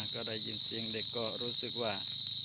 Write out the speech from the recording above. ก็ได้ยินเสียงเด็กก็รู้สึกว่า